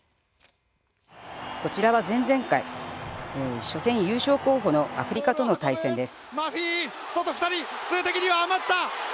こちらは前々回初戦優勝候補の南アフリカとの対戦です。